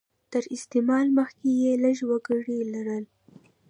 تر استعمار مخکې یې لږ وګړي لرل.